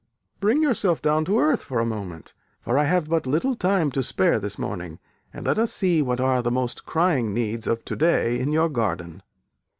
Bring yourself down to earth for a moment, for I have but little time to spare this morning, and let us see what are the most crying needs of to day in your garden."